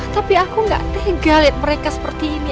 tapi aku gak tega liat mereka seperti ini